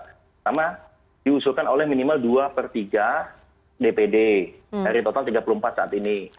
pertama diusulkan oleh minimal dua per tiga dpd dari total tiga puluh empat saat ini